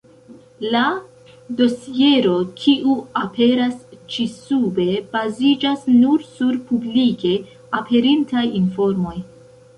La dosiero, kiu aperas ĉi-sube, baziĝas nur sur publike aperintaj informoj.